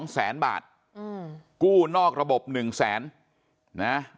๒แสนบาทกู้นอกระบบ๑แสนนะ